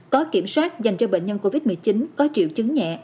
có kiểm soát dành cho bệnh nhân covid một mươi chín có triệu chứng nhẹ